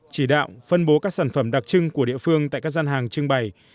chỉ đạo phân bố các sản phẩm đặc trưng của địa phương tại các gian hàng trưng bày